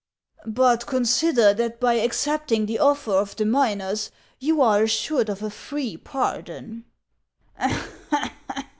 " But consider that by accepting the offer of the miners you are assured of a free pardon."